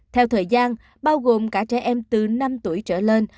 theo thời gian bao gồm cả trẻ em từ năm tuổi trở lên